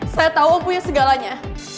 saya tau om punya segalanya